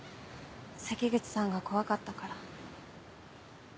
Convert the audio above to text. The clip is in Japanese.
関口さんが怖かったから。